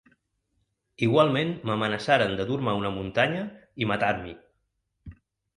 Igualment m’amenaçaren de dur-me a una muntanya i matar-m’hi.